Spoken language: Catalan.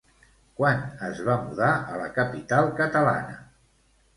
Quan es va mudar a la capital catalana?